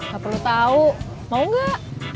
gak perlu tau mau gak